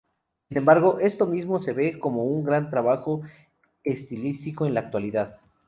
Sin embargo, esto mismo se ve como un gran trabajo estilístico en la actualidad.